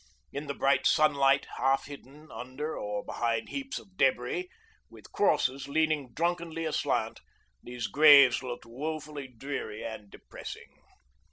In the bright sunlight, half hidden under or behind heaps of debris, with crosses leaning drunkenly aslant, these graves looked woefully dreary and depressing.